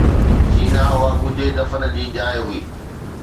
سينه، اها ڳجهي دفن جي جاءِ هئي